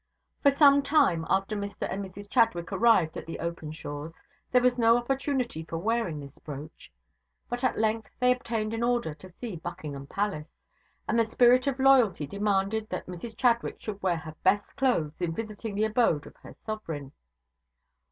For some time after Mr and Mrs Chadwick arrived at the Openshaws' there was no opportunity for wearing this brooch; but at length they obtained an order to see Buckingham Palace, and the spirit of loyalty demanded that Mrs Chadwick should wear her best clothes in visiting the abode of her sovereign.